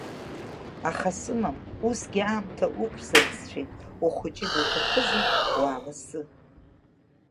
Аха сымам, усгьы аамҭа уқәсырӡцәеит, ухәыҷы дуҭахызар, уааласы…